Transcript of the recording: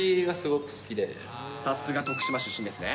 さすが徳島出身ですね。